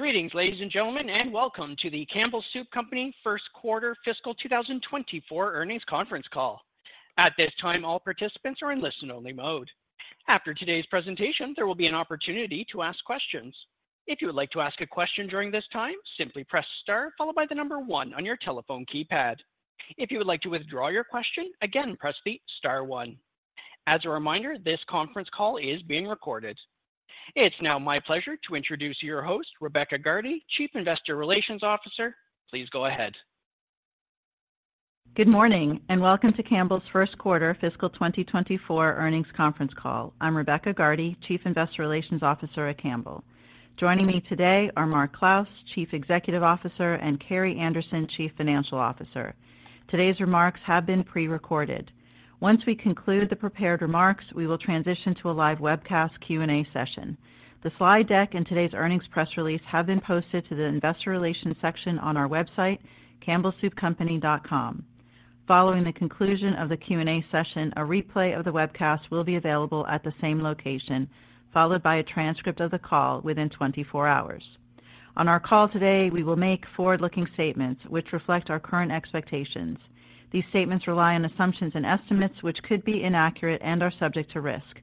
Greetings, ladies and gentlemen, and welcome to the Campbell Soup Company first quarter fiscal 2024 earnings conference call. At this time, all participants are in listen-only mode. After today's presentation, there will be an opportunity to ask questions. If you would like to ask a question during this time, simply press star followed by the number one on your telephone keypad. If you would like to withdraw your question, again, press the star one. As a reminder, this conference call is being recorded. It's now my pleasure to introduce your host, Rebecca Gardy, Chief Investor Relations Officer. Please go ahead. Good morning, and welcome to Campbell's first quarter fiscal 2024 earnings conference call. I'm Rebecca Gardy, Chief Investor Relations Officer at Campbell. Joining me today are Mark Clouse, Chief Executive Officer, and Carrie Anderson, Chief Financial Officer. Today's remarks have been pre-recorded. Once we conclude the prepared remarks, we will transition to a live webcast Q&A session. The slide deck and today's earnings press release have been posted to the investor relations section on our website, campbellsoupcompany.com. Following the conclusion of the Q&A session, a replay of the webcast will be available at the same location, followed by a transcript of the call within 24 hours. On our call today, we will make forward-looking statements which reflect our current expectations. These statements rely on assumptions and estimates, which could be inaccurate and are subject to risk.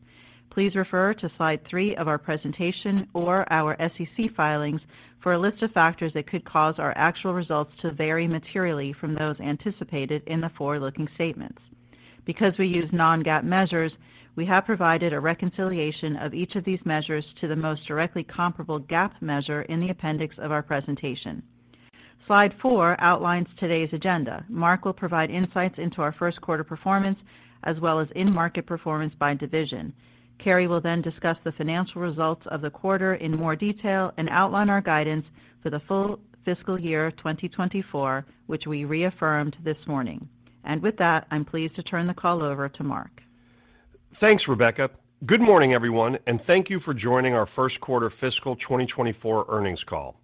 Please refer to slide three of our presentation or our SEC filings for a list of factors that could cause our actual results to vary materially from those anticipated in the forward-looking statements. Because we use non-GAAP measures, we have provided a reconciliation of each of these measures to the most directly comparable GAAP measure in the appendix of our presentation. Slide four outlines today's agenda. Mark will provide insights into our first quarter performance, as well as in-market performance by division. Carrie will then discuss the financial results of the quarter in more detail and outline our guidance for the full fiscal year 2024, which we reaffirmed this morning. With that, I'm pleased to turn the call over to Mark. Thanks, Rebecca. Good morning, everyone, and thank you for joining our first quarter fiscal 2024 earnings call.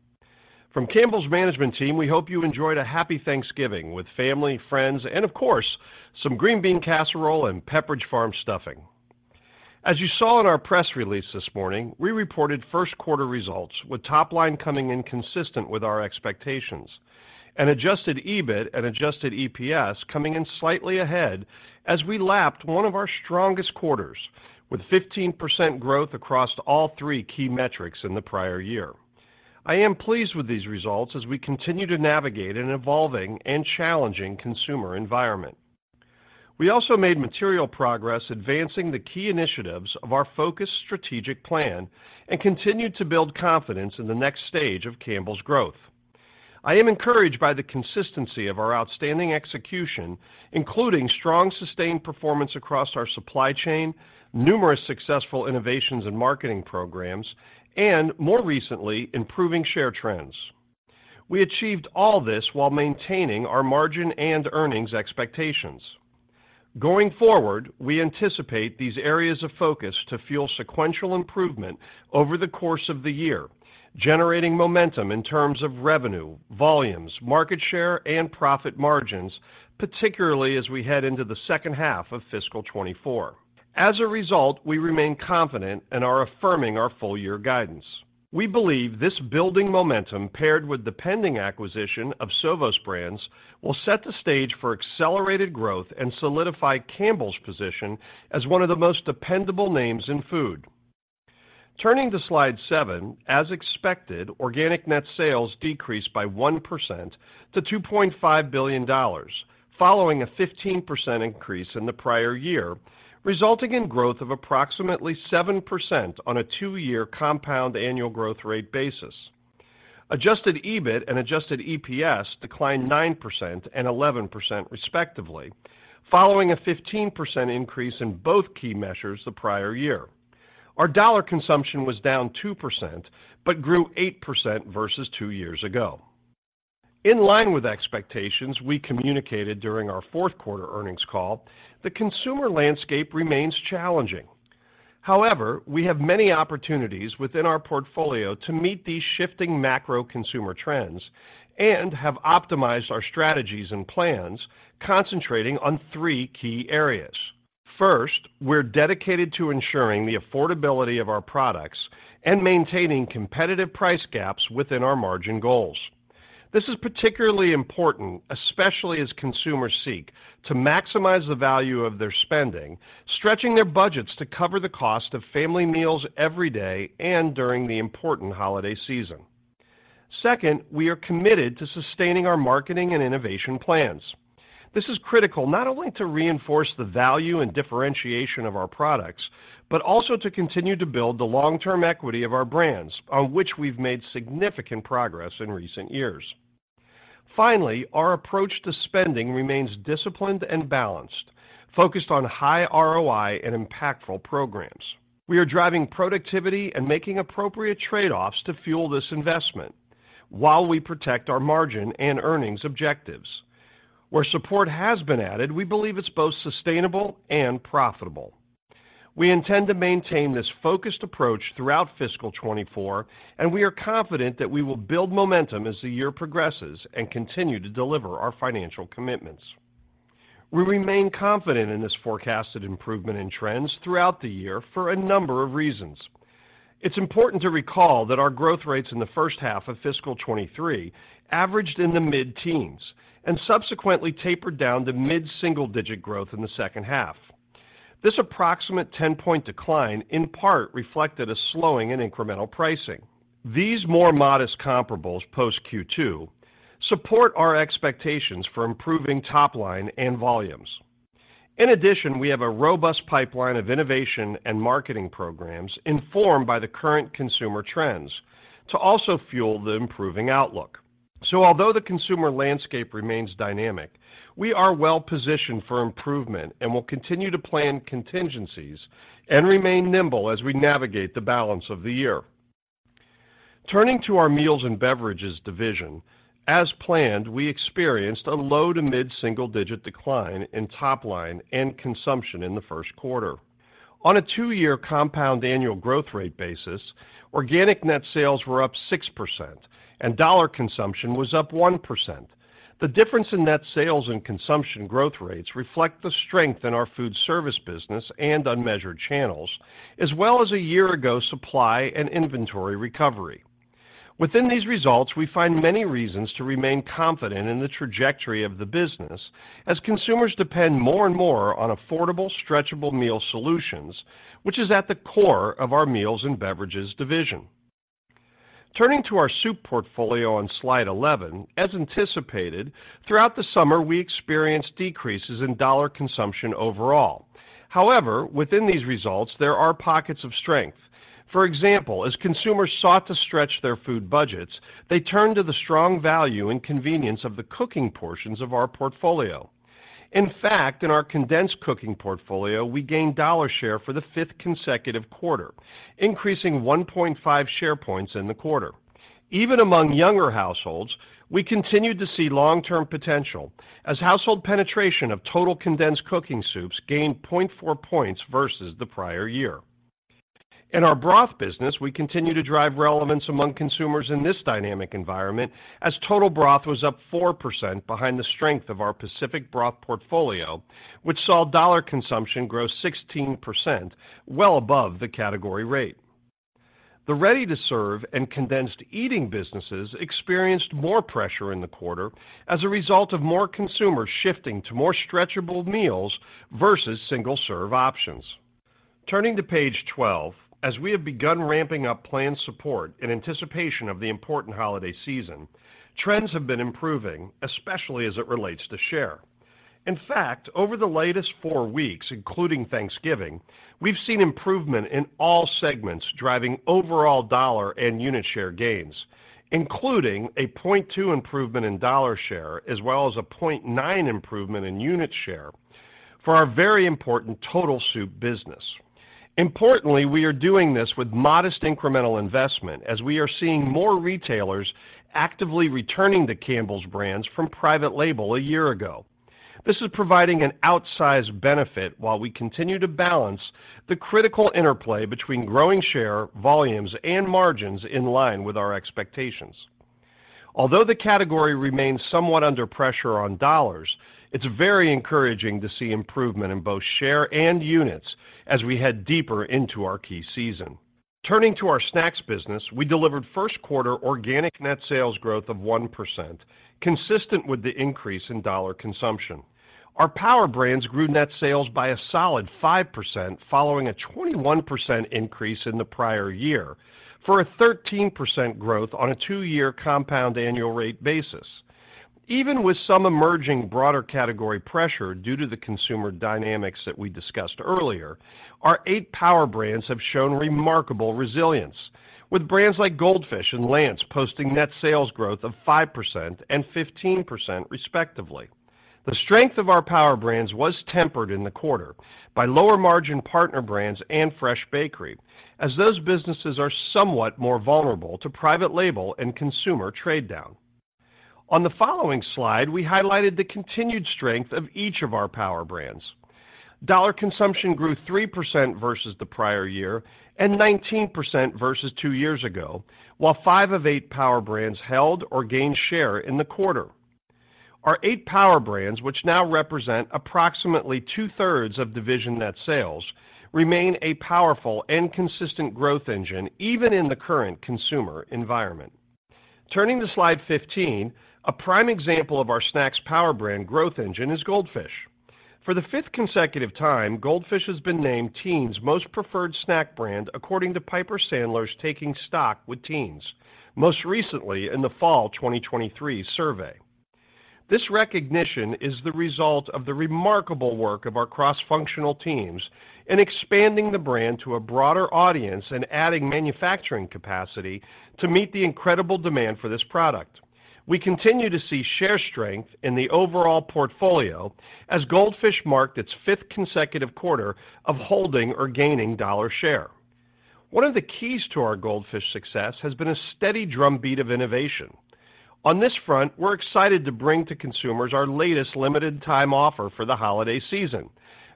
From Campbell's management team, we hope you enjoyed a happy Thanksgiving with family, friends, and of course, some green bean casserole and Pepperidge Farm stuffing. As you saw in our press release this morning, we reported first quarter results, with top line coming in consistent with our expectations, and adjusted EBIT and adjusted EPS coming in slightly ahead as we lapped one of our strongest quarters, with 15% growth across all three key metrics in the prior year. I am pleased with these results as we continue to navigate an evolving and challenging consumer environment. We also made material progress advancing the key initiatives of our focused strategic plan and continued to build confidence in the next stage of Campbell's growth. I am encouraged by the consistency of our outstanding execution, including strong, sustained performance across our supply chain, numerous successful innovations and marketing programs, and more recently, improving share trends. We achieved all this while maintaining our margin and earnings expectations. Going forward, we anticipate these areas of focus to fuel sequential improvement over the course of the year, generating momentum in terms of revenue, volumes, market share, and profit margins, particularly as we head into the second half of fiscal 2024. As a result, we remain confident and are affirming our full year guidance. We believe this building momentum, paired with the pending acquisition of Sovos Brands, will set the stage for accelerated growth and solidify Campbell's position as one of the most dependable names in food. Turning to Slide 7, as expected, organic net sales decreased by 1% to $2.5 billion, following a 15% increase in the prior year, resulting in growth of approximately 7% on a two-year compound annual growth rate basis. Adjusted EBIT and adjusted EPS declined 9% and 11%, respectively, following a 15% increase in both key measures the prior year. Our dollar consumption was down 2%, but grew 8% versus two years ago. In line with expectations we communicated during our fourth quarter earnings call, the consumer landscape remains challenging. However, we have many opportunities within our portfolio to meet these shifting macro consumer trends and have optimized our strategies and plans, concentrating on three key areas. First, we're dedicated to ensuring the affordability of our products and maintaining competitive price gaps within our margin goals. This is particularly important, especially as consumers seek to maximize the value of their spending, stretching their budgets to cover the cost of family meals every day and during the important holiday season. Second, we are committed to sustaining our marketing and innovation plans. This is critical not only to reinforce the value and differentiation of our products, but also to continue to build the long-term equity of our brands, on which we've made significant progress in recent years. Finally, our approach to spending remains disciplined and balanced, focused on high ROI and impactful programs. We are driving productivity and making appropriate trade-offs to fuel this investment while we protect our margin and earnings objectives. Where support has been added, we believe it's both sustainable and profitable. We intend to maintain this focused approach throughout fiscal 2024, and we are confident that we will build momentum as the year progresses and continue to deliver our financial commitments... We remain confident in this forecasted improvement in trends throughout the year for a number of reasons. It's important to recall that our growth rates in the first half of fiscal 2023 averaged in the mid-teens and subsequently tapered down to mid-single-digit growth in the second half. This approximate 10-point decline, in part, reflected a slowing in incremental pricing. These more modest comparables post Q2 support our expectations for improving top line and volumes. In addition, we have a robust pipeline of innovation and marketing programs informed by the current consumer trends to also fuel the improving outlook. So although the consumer landscape remains dynamic, we are well positioned for improvement and will continue to plan contingencies and remain nimble as we navigate the balance of the year. Turning to our meals and beverages division, as planned, we experienced a low- to mid-single-digit decline in top line and consumption in the first quarter. On a two-year compound annual growth rate basis, organic net sales were up 6% and dollar consumption was up 1%. The difference in net sales and consumption growth rates reflect the strength in our food service business and unmeasured channels, as well as a year ago, supply and inventory recovery. Within these results, we find many reasons to remain confident in the trajectory of the business as consumers depend more and more on affordable, stretchable meal solutions, which is at the core of our meals and beverages division. Turning to our soup portfolio on slide 11, as anticipated, throughout the summer, we experienced decreases in dollar consumption overall. However, within these results, there are pockets of strength. For example, as consumers sought to stretch their food budgets, they turned to the strong value and convenience of the cooking portions of our portfolio. In fact, in our condensed cooking portfolio, we gained dollar share for the fifth consecutive quarter, increasing 1.5 share points in the quarter. Even among younger households, we continued to see long-term potential as household penetration of total condensed cooking soups gained 0.4 points versus the prior year. In our broth business, we continue to drive relevance among consumers in this dynamic environment, as total broth was up 4% behind the strength of our Pacific broth portfolio, which saw dollar consumption grow 16%, well above the category rate. The ready-to-serve and condensed eating businesses experienced more pressure in the quarter as a result of more consumers shifting to more stretchable meals versus single-serve options. Turning to page 12, as we have begun ramping up planned support in anticipation of the important holiday season, trends have been improving, especially as it relates to share. In fact, over the latest four weeks, including Thanksgiving, we've seen improvement in all segments, driving overall dollar and unit share gains, including a 0.2-point improvement in dollar share, as well as a 0.9-point improvement in unit share for our very important total soup business. Importantly, we are doing this with modest incremental investment as we are seeing more retailers actively returning the Campbell's brands from private label a year ago. This is providing an outsized benefit while we continue to balance the critical interplay between growing share, volumes, and margins in line with our expectations. Although the category remains somewhat under pressure on dollars, it's very encouraging to see improvement in both share and units as we head deeper into our key season. Turning to our Snacks business, we delivered first quarter organic net sales growth of 1%, consistent with the increase in dollar consumption. Our Power Brands grew net sales by a solid 5%, following a 21% increase in the prior year, for a 13% growth on a two-year compound annual rate basis. Even with some emerging broader category pressure due to the consumer dynamics that we discussed earlier, our eight Power Brands have shown remarkable resilience, with brands like Goldfish and Lance posting net sales growth of 5% and 15% respectively. The strength of our Power Brands was tempered in the quarter by lower-margin partner brands and fresh bakery, as those businesses are somewhat more vulnerable to private label and consumer trade down. On the following slide, we highlighted the continued strength of each of our Power Brands. Dollar consumption grew 3% versus the prior year and 19% versus two years ago, while five of eight Power Brands held or gained share in the quarter. Our eight Power Brands, which now represent approximately 2/3 of division net sales, remain a powerful and consistent growth engine, even in the current consumer environment. Turning to slide 15, a prime example of our snacks Power Brand growth engine is Goldfish. For the fifth consecutive time, Goldfish has been named Teens' Most Preferred Snack Brand, according to Piper Sandler's Taking Stock With Teens, most recently in the Fall 2023 survey. This recognition is the result of the remarkable work of our cross-functional teams in expanding the brand to a broader audience and adding manufacturing capacity to meet the incredible demand for this product. We continue to see share strength in the overall portfolio as Goldfish marked its fifth consecutive quarter of holding or gaining dollar share. One of the keys to our Goldfish success has been a steady drumbeat of innovation. On this front, we're excited to bring to consumers our latest limited time offer for the holiday season: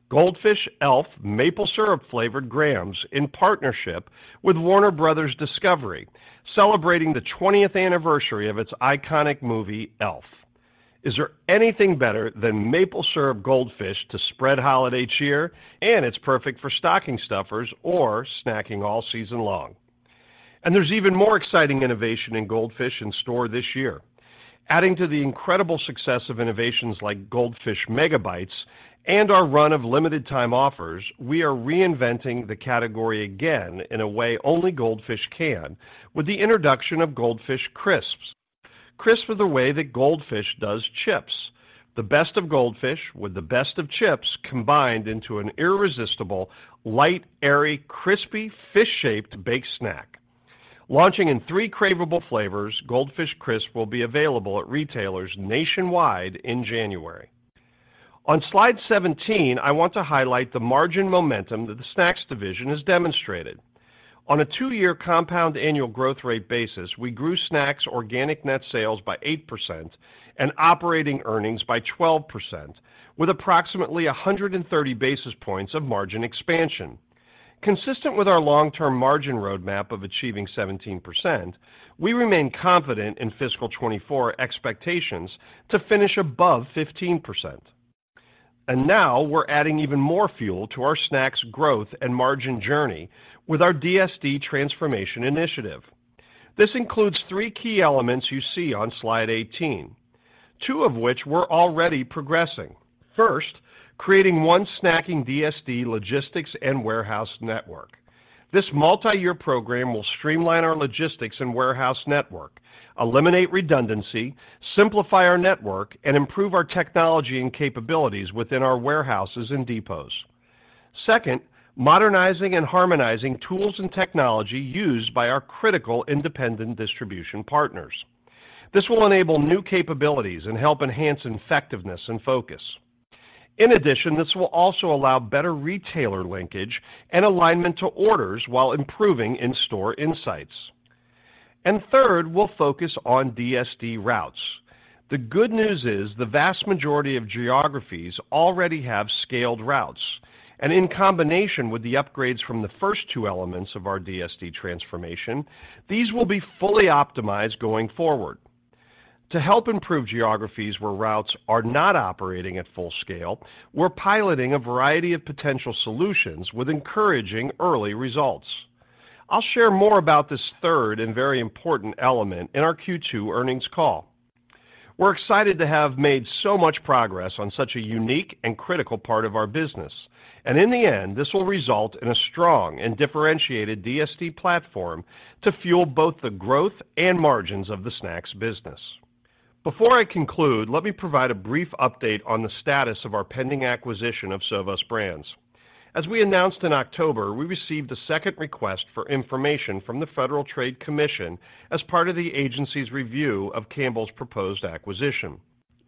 Goldfish Elf Maple Syrup Flavored Grahams in partnership with Warner Bros. Discovery, celebrating the 20th anniversary of its iconic movie, Elf.... Is there anything better than maple syrup Goldfish to spread holiday cheer? And it's perfect for stocking stuffers or snacking all season long. And there's even more exciting innovation in Goldfish in store this year. Adding to the incredible success of innovations like Goldfish Mega Bites and our run of limited time offers, we are reinventing the category again in a way only Goldfish can, with the introduction of Goldfish Crisps. Crisps are the way that Goldfish does chips. The best of Goldfish with the best of chips, combined into an irresistible, light, airy, crispy, fish-shaped baked snack. Launching in three craveable flavors, Goldfish Crisps will be available at retailers nationwide in January. On slide 17, I want to highlight the margin momentum that the Snacks division has demonstrated. On a two-year compound annual growth rate basis, we grew snacks organic net sales by 8% and operating earnings by 12%, with approximately 130 basis points of margin expansion. Consistent with our long-term margin roadmap of achieving 17%, we remain confident in fiscal 2024 expectations to finish above 15%. Now we're adding even more fuel to our snacks growth and margin journey with our DSD transformation initiative. This includes three key elements you see on slide 18, two of which we're already progressing. First, creating one snacking DSD logistics and warehouse network. This multi-year program will streamline our logistics and warehouse network, eliminate redundancy, simplify our network, and improve our technology and capabilities within our warehouses and depots. Second, modernizing and harmonizing tools and technology used by our critical independent distribution partners. This will enable new capabilities and help enhance effectiveness and focus. In addition, this will also allow better retailer linkage and alignment to orders while improving in-store insights. Third, we'll focus on DSD routes. The good news is the vast majority of geographies already have scaled routes, and in combination with the upgrades from the first two elements of our DSD transformation, these will be fully optimized going forward. To help improve geographies where routes are not operating at full scale, we're piloting a variety of potential solutions with encouraging early results. I'll share more about this third and very important element in our Q2 earnings call. We're excited to have made so much progress on such a unique and critical part of our business, and in the end, this will result in a strong and differentiated DSD platform to fuel both the growth and margins of the Snacks business. Before I conclude, let me provide a brief update on the status of our pending acquisition of Sovos Brands. As we announced in October, we received a second request for information from the Federal Trade Commission as part of the agency's review of Campbell's proposed acquisition.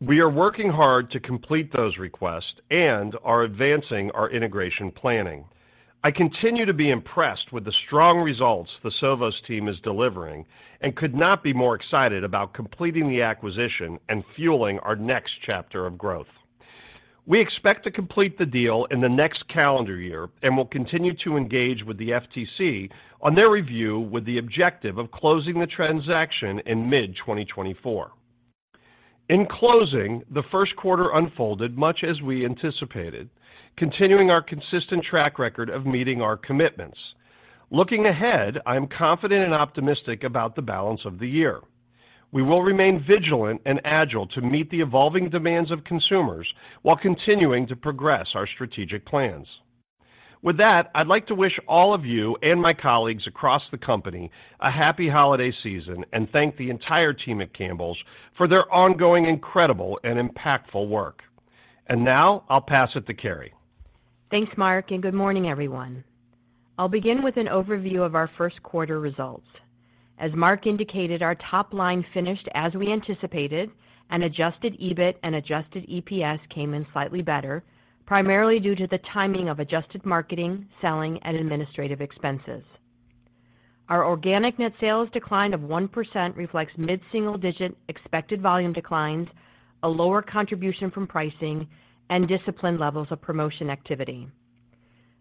We are working hard to complete those requests and are advancing our integration planning. I continue to be impressed with the strong results the Sovos team is delivering and could not be more excited about completing the acquisition and fueling our next chapter of growth. We expect to complete the deal in the next calendar year and will continue to engage with the FTC on their review, with the objective of closing the transaction in mid-2024. In closing, the first quarter unfolded much as we anticipated, continuing our consistent track record of meeting our commitments. Looking ahead, I'm confident and optimistic about the balance of the year. We will remain vigilant and agile to meet the evolving demands of consumers while continuing to progress our strategic plans. With that, I'd like to wish all of you and my colleagues across the company a happy holiday season, and thank the entire team at Campbell's for their ongoing, incredible, and impactful work. Now I'll pass it to Carrie. Thanks, Mark, and good morning, everyone. I'll begin with an overview of our first quarter results. As Mark indicated, our top line finished as we anticipated, and adjusted EBIT and adjusted EPS came in slightly better, primarily due to the timing of adjusted marketing, selling, and administrative expenses. Our organic net sales decline of 1% reflects mid-single digit expected volume declines, a lower contribution from pricing, and disciplined levels of promotion activity.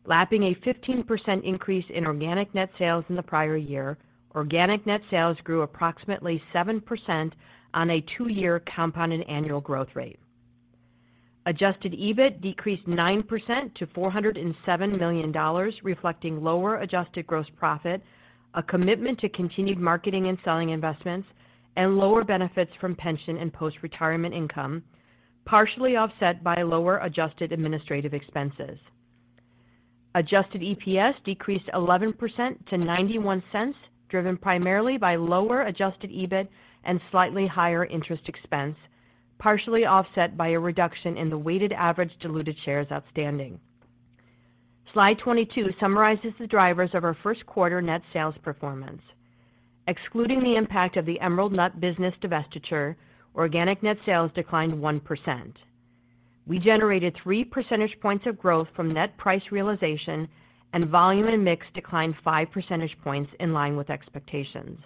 Lapping a 15% increase in organic net sales in the prior year, organic net sales grew approximately 7% on a two-year compounded annual growth rate. Adjusted EBIT decreased 9% to $407 million, reflecting lower adjusted gross profit, a commitment to continued marketing and selling investments, and lower benefits from pension and post-retirement income, partially offset by lower adjusted administrative expenses. Adjusted EPS decreased 11% to $0.91, driven primarily by lower adjusted EBIT and slightly higher interest expense, partially offset by a reduction in the weighted average diluted shares outstanding. Slide 22 summarizes the drivers of our first quarter net sales performance. Excluding the impact of the Emerald Nuts business divestiture, organic net sales declined 1%. We generated three percentage points of growth from net price realization, and volume and mix declined five percentage points in line with expectations.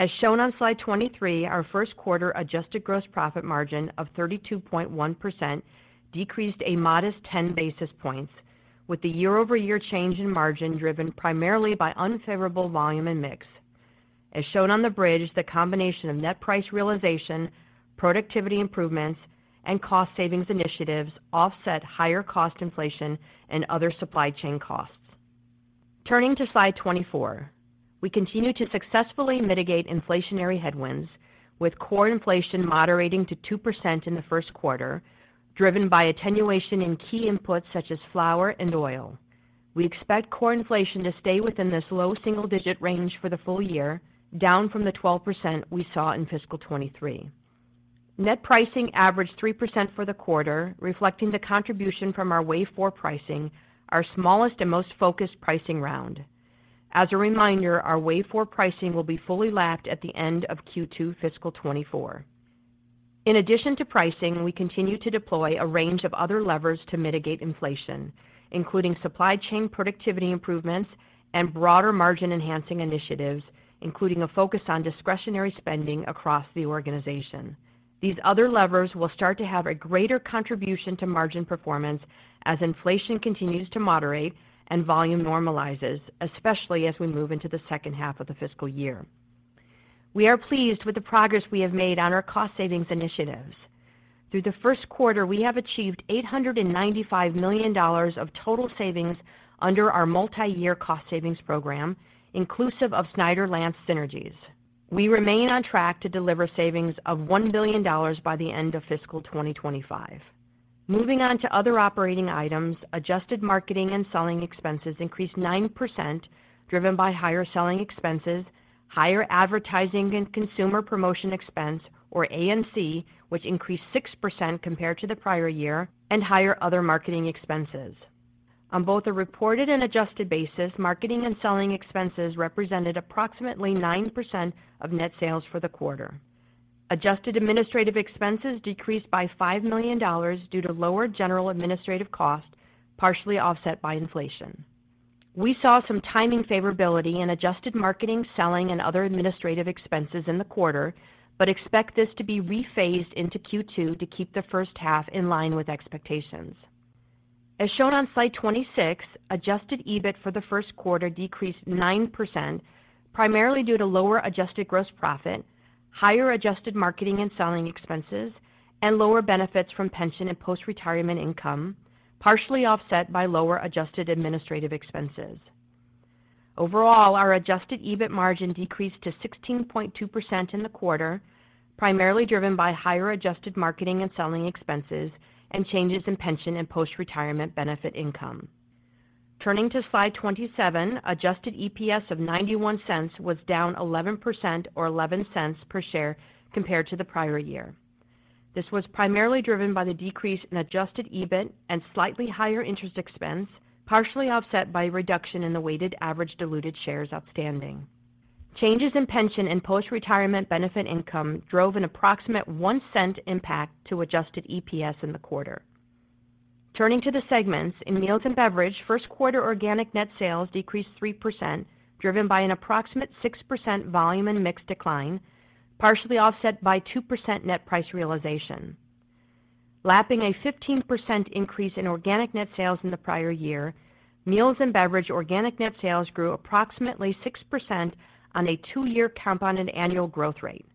As shown on slide 23, our first quarter adjusted gross profit margin of 32.1% decreased a modest 10 basis points with the year-over-year change in margin driven primarily by unfavorable volume and mix. As shown on the bridge, the combination of net price realization, productivity improvements, and cost savings initiatives offset higher cost inflation and other supply chain costs. Turning to Slide 24, we continue to successfully mitigate inflationary headwinds, with core inflation moderating to 2% in the first quarter, driven by attenuation in key inputs such as flour and oil. We expect core inflation to stay within this low single-digit range for the full year, down from the 12% we saw in fiscal 2023. Net pricing averaged 3% for the quarter, reflecting the contribution from our Wave Four pricing, our smallest and most focused pricing round. As a reminder, our Wave Four pricing will be fully lapped at the end of Q2 fiscal 2024. In addition to pricing, we continue to deploy a range of other levers to mitigate inflation, including supply chain productivity improvements and broader margin-enhancing initiatives, including a focus on discretionary spending across the organization. These other levers will start to have a greater contribution to margin performance as inflation continues to moderate and volume normalizes, especially as we move into the second half of the fiscal year. We are pleased with the progress we have made on our cost savings initiatives. Through the first quarter, we have achieved $895 million of total savings under our multi-year cost savings program, inclusive of Snyder's-Lance synergies. We remain on track to deliver savings of $1 billion by the end of fiscal 2025. Moving on to other operating items, adjusted marketing and selling expenses increased 9%, driven by higher selling expenses, higher advertising and consumer promotion expense, or A&C, which increased 6% compared to the prior year, and higher other marketing expenses. On both a reported and adjusted basis, marketing and selling expenses represented approximately 9% of net sales for the quarter. Adjusted administrative expenses decreased by $5 million due to lower general administrative costs, partially offset by inflation. We saw some timing favorability in adjusted marketing, selling, and other administrative expenses in the quarter, but expect this to be rephased into Q2 to keep the first half in line with expectations. As shown on Slide 26, adjusted EBIT for the first quarter decreased 9%, primarily due to lower adjusted gross profit, higher adjusted marketing and selling expenses, and lower benefits from pension and post-retirement income, partially offset by lower adjusted administrative expenses. Overall, our adjusted EBIT margin decreased to 16.2% in the quarter, primarily driven by higher adjusted marketing and selling expenses and changes in pension and post-retirement benefit income. Turning to Slide 27, adjusted EPS of $0.91 was down 11% or $0.11 per share compared to the prior year. This was primarily driven by the decrease in adjusted EBIT and slightly higher interest expense, partially offset by a reduction in the weighted average diluted shares outstanding. Changes in pension and post-retirement benefit income drove an approximate $0.01 impact to adjusted EPS in the quarter. Turning to the segments, in meals and beverages, first quarter organic net sales decreased 3%, driven by an approximate 6% volume and mix decline, partially offset by 2% net price realization. Lapping a 15% increase in organic net sales in the prior year, meals and beverages organic net sales grew approximately 6% on a two-year compounded annual growth rate.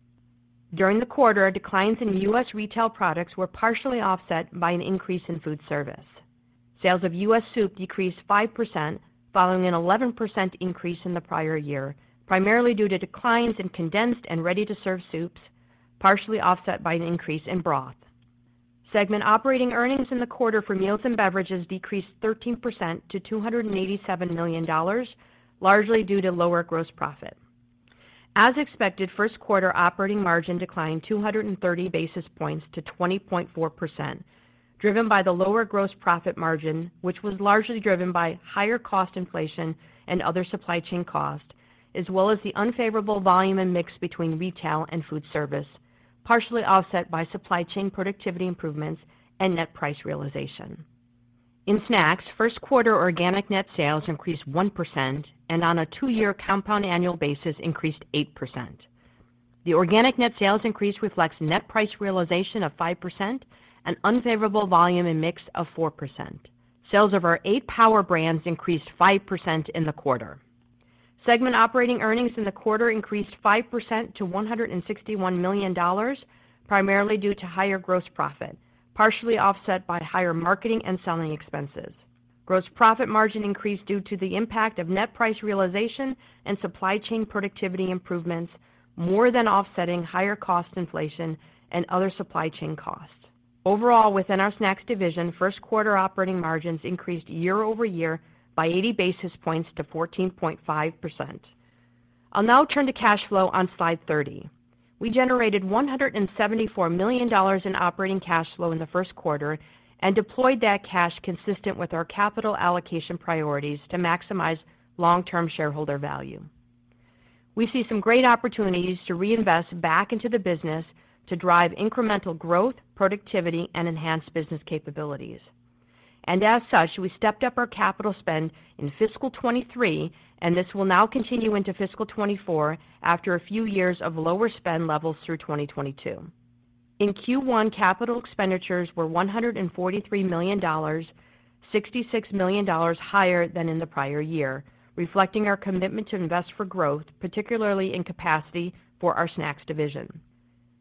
During the quarter, declines in U.S. retail products were partially offset by an increase in food service. Sales of U.S. soup decreased 5%, following an 11% increase in the prior year, primarily due to declines in condensed and ready-to-serve soups, partially offset by an increase in broth. Segment operating earnings in the quarter for meals and beverages decreased 13% to $287 million, largely due to lower gross profit. As expected, first quarter operating margin declined 230 basis points to 20.4%, driven by the lower gross profit margin, which was largely driven by higher cost inflation and other supply chain costs, as well as the unfavorable volume and mix between retail and food service, partially offset by supply chain productivity improvements and net price realization. In Snacks, first quarter organic net sales increased 1% and on a two-year compound annual basis, increased 8%. The organic net sales increase reflects net price realization of 5% and unfavorable volume and mix of 4%. Sales of our eight Power Brands increased 5% in the quarter. Segment operating earnings in the quarter increased 5% to $161 million, primarily due to higher gross profit, partially offset by higher marketing and selling expenses. Gross profit margin increased due to the impact of net price realization and supply chain productivity improvements, more than offsetting higher cost inflation and other supply chain costs. Overall, within our Snacks division, first quarter operating margins increased year-over-year by 80 basis points to 14.5%. I'll now turn to cash flow on Slide 30. We generated $174 million in operating cash flow in the first quarter and deployed that cash consistent with our capital allocation priorities to maximize long-term shareholder value. We see some great opportunities to reinvest back into the business to drive incremental growth, productivity, and enhance business capabilities. And as such, we stepped up our capital spend in fiscal 2023, and this will now continue into fiscal 2024 after a few years of lower spend levels through 2022.... In Q1, capital expenditures were $143 million, $66 million higher than in the prior year, reflecting our commitment to invest for growth, particularly in capacity for our snacks division.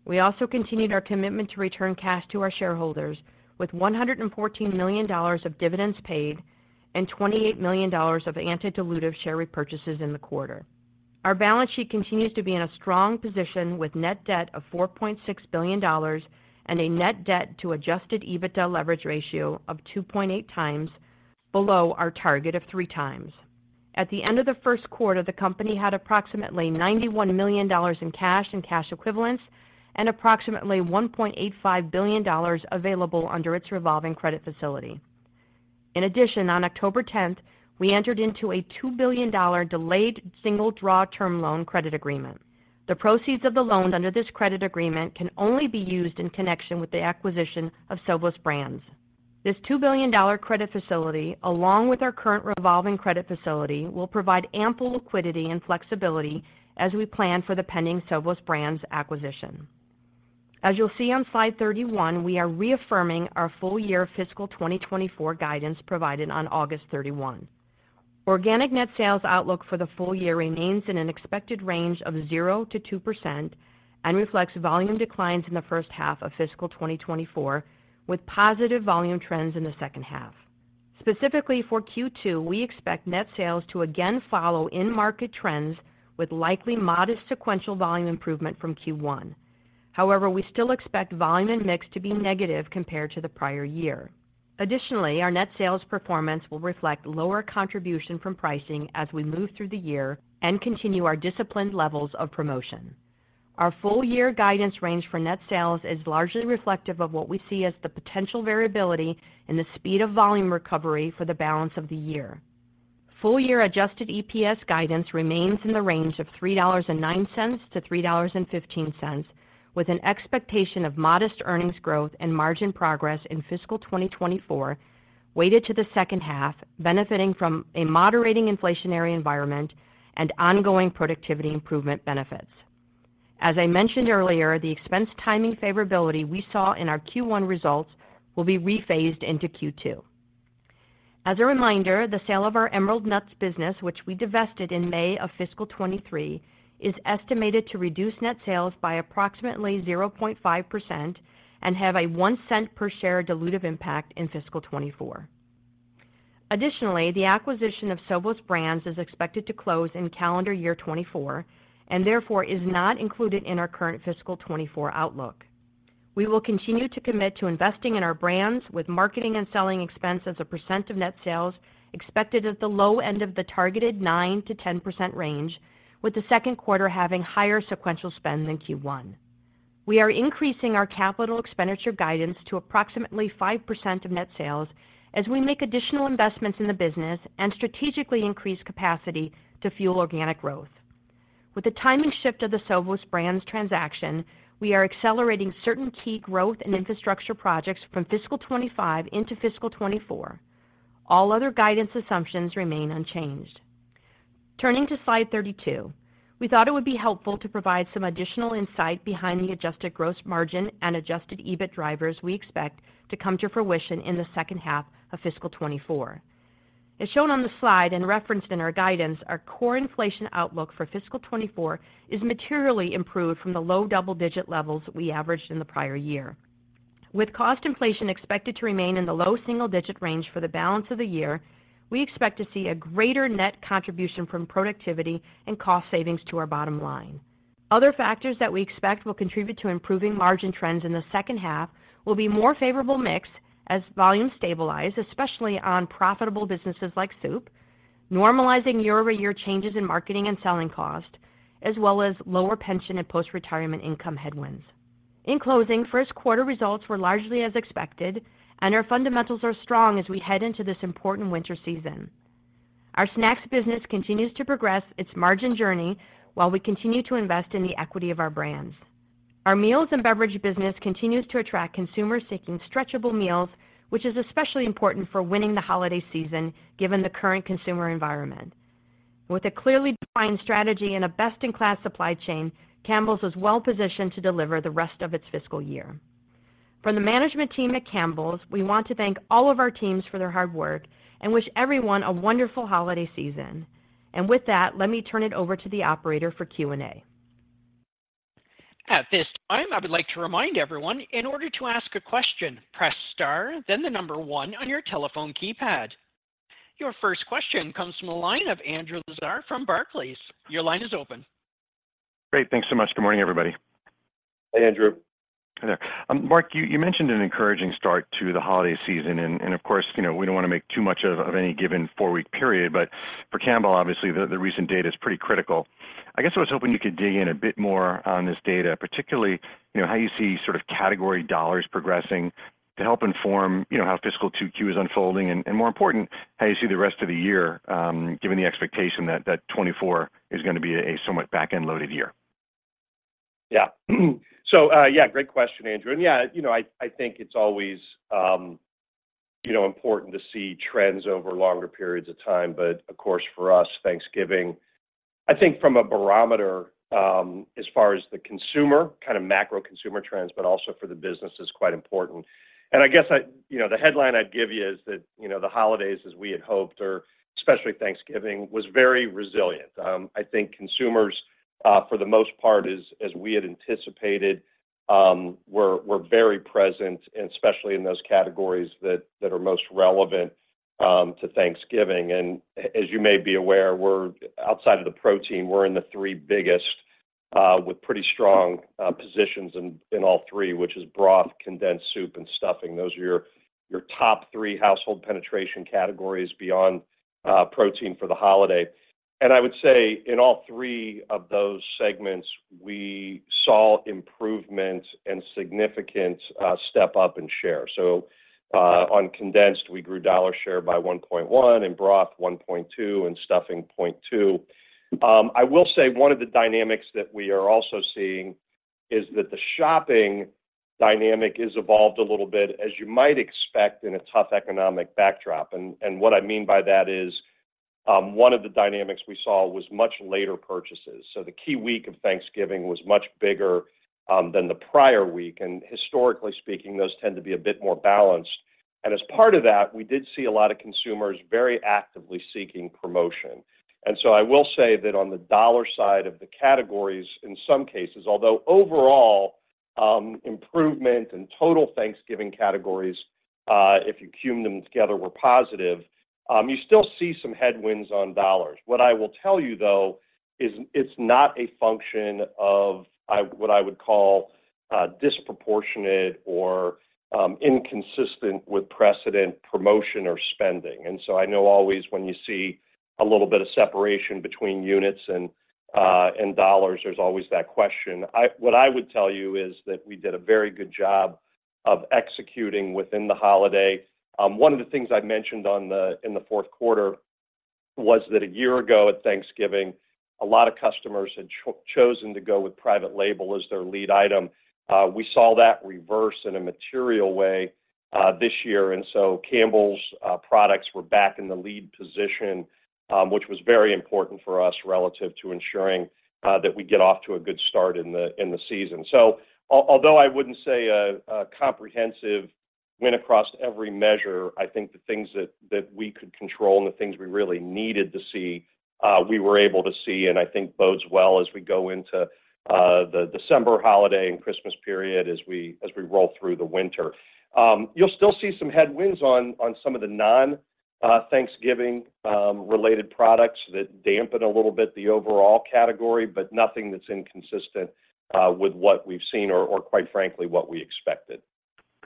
We also continued our commitment to return cash to our shareholders with $114 million of dividends paid and $28 million of anti-dilutive share repurchases in the quarter. Our balance sheet continues to be in a strong position with net debt of $4.6 billion and a net debt to adjusted EBITDA leverage ratio of 2.8x below our target of 3x. At the end of the first quarter, the company had approximately $91 million in cash and cash equivalents, and approximately $1.85 billion available under its revolving credit facility. In addition, on October tenth, we entered into a $2 billion delayed single draw term loan credit agreement. The proceeds of the loans under this credit agreement can only be used in connection with the acquisition of Sovos Brands. This $2 billion credit facility, along with our current revolving credit facility, will provide ample liquidity and flexibility as we plan for the pending Sovos Brands acquisition. As you'll see on slide 31, we are reaffirming our full-year fiscal 2024 guidance provided on August 31. Organic net sales outlook for the full year remains in an expected range of 0%-2% and reflects volume declines in the first half of fiscal 2024, with positive volume trends in the second half. Specifically, for Q2, we expect net sales to again follow in-market trends with likely modest sequential volume improvement from Q1. However, we still expect volume and mix to be negative compared to the prior year. Additionally, our net sales performance will reflect lower contribution from pricing as we move through the year and continue our disciplined levels of promotion. Our full-year guidance range for net sales is largely reflective of what we see as the potential variability in the speed of volume recovery for the balance of the year. Full-year adjusted EPS guidance remains in the range of $3.09-$3.15, with an expectation of modest earnings growth and margin progress in fiscal 2024, weighted to the second half, benefiting from a moderating inflationary environment and ongoing productivity improvement benefits. As I mentioned earlier, the expense timing favorability we saw in our Q1 results will be rephased into Q2. As a reminder, the sale of our Emerald Nuts business, which we divested in May of fiscal 2023, is estimated to reduce net sales by approximately 0.5% and have a $0.01 per share dilutive impact in fiscal 2024. Additionally, the acquisition of Sovos Brands is expected to close in calendar year 2024 and therefore is not included in our current fiscal 2024 outlook. We will continue to commit to investing in our brands with marketing and selling expense as a percent of net sales, expected at the low end of the targeted 9%-10% range, with the second quarter having higher sequential spend than Q1. We are increasing our capital expenditure guidance to approximately 5% of net sales as we make additional investments in the business and strategically increase capacity to fuel organic growth. With the timing shift of the Sovos Brands transaction, we are accelerating certain key growth and infrastructure projects from fiscal 2025 into fiscal 2024. All other guidance assumptions remain unchanged. Turning to Slide 32, we thought it would be helpful to provide some additional insight behind the adjusted gross margin and adjusted EBIT drivers we expect to come to fruition in the second half of fiscal 2024. As shown on the slide and referenced in our guidance, our core inflation outlook for fiscal 2024 is materially improved from the low double-digit levels we averaged in the prior year. With cost inflation expected to remain in the low single-digit range for the balance of the year, we expect to see a greater net contribution from productivity and cost savings to our bottom line. Other factors that we expect will contribute to improving margin trends in the second half will be more favorable mix as volumes stabilize, especially on profitable businesses like soup, normalizing year-over-year changes in marketing and selling cost, as well as lower pension and post-retirement income headwinds. In closing, first quarter results were largely as expected, and our fundamentals are strong as we head into this important winter season. Our Snacks business continues to progress its margin journey while we continue to invest in the equity of our brands. Our Meals and Beverage business continues to attract consumers seeking stretchable meals, which is especially important for winning the holiday season, given the current consumer environment. With a clearly defined strategy and a best-in-class supply chain, Campbell's is well positioned to deliver the rest of its fiscal year. From the management team at Campbell's, we want to thank all of our teams for their hard work and wish everyone a wonderful holiday season. With that, let me turn it over to the operator for Q&A. At this time, I would like to remind everyone, in order to ask a question, press star, then the number one on your telephone keypad. Your first question comes from the line of Andrew Lazar from Barclays. Your line is open. Great. Thanks so much. Good morning, everybody. Hey, Andrew. Hi there. Mark, you mentioned an encouraging start to the holiday season, and of course, you know, we don't want to make too much of any given four-week period, but for Campbell, obviously, the recent data is pretty critical. I guess I was hoping you could dig in a bit more on this data, particularly, you know, how you see sort of category dollars progressing to help inform, you know, how fiscal 2Q is unfolding, and more important, how you see the rest of the year, given the expectation that 2024 is going to be a somewhat back-end loaded year. Yeah. So, yeah, great question, Andrew. And yeah, you know, I think it's always...... you know, important to see trends over longer periods of time. But of course, for us, Thanksgiving, I think from a barometer, as far as the consumer, kind of macro consumer trends, but also for the business, is quite important. And I guess, you know, the headline I'd give you is that, you know, the holidays, as we had hoped, or especially Thanksgiving, was very resilient. I think consumers, for the most part, as we had anticipated, were very present and especially in those categories that are most relevant to Thanksgiving. And as you may be aware, we're outside of the protein, we're in the three biggest, with pretty strong positions in all three, which is broth, condensed soup, and stuffing. Those are your top three household penetration categories beyond protein for the holiday. And I would say in all three of those segments, we saw improvement and significant step-up in share. So, on condensed, we grew dollar share by 1.1, in broth, 1.2, in stuffing, 0.2. I will say one of the dynamics that we are also seeing is that the shopping dynamic has evolved a little bit, as you might expect in a tough economic backdrop. And what I mean by that is, one of the dynamics we saw was much later purchases. So the key week of Thanksgiving was much bigger than the prior week, and historically speaking, those tend to be a bit more balanced. And as part of that, we did see a lot of consumers very actively seeking promotion. I will say that on the dollar side of the categories, in some cases, although overall improvement in total Thanksgiving categories, if you cum them together, were positive, you still see some headwinds on dollars. What I will tell you, though, is it's not a function of what I would call disproportionate or inconsistent with precedent, promotion, or spending. And so I know always when you see a little bit of separation between units and dollars, there's always that question. What I would tell you is that we did a very good job of executing within the holiday. One of the things I mentioned in the fourth quarter was that a year ago at Thanksgiving, a lot of customers had chosen to go with private label as their lead item. We saw that reverse in a material way this year. And so Campbell's products were back in the lead position, which was very important for us relative to ensuring that we get off to a good start in the season. So although I wouldn't say a comprehensive win across every measure, I think the things that we could control and the things we really needed to see, we were able to see, and I think bodes well as we go into the December holiday and Christmas period, as we roll through the winter. You'll still see some headwinds on some of the non-Thanksgiving related products that dampen a little bit the overall category, but nothing that's inconsistent with what we've seen or quite frankly what we expected.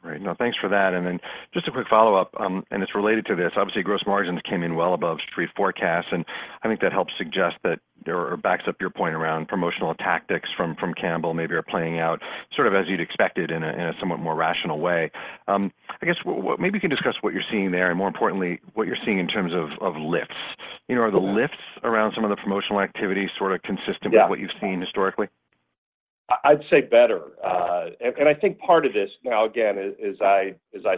Great. No, thanks for that. And then just a quick follow-up, and it's related to this. Obviously, gross margins came in well above street forecasts, and I think that helps suggest that or backs up your point around promotional tactics from Campbell, maybe are playing out sort of as you'd expect it in a somewhat more rational way. I guess what—maybe you can discuss what you're seeing there, and more importantly, what you're seeing in terms of lifts. You know, are the lifts around some of the promotional activities sort of consistent- Yeah... with what you've seen historically? I'd say better. And I think part of this, now, again, as I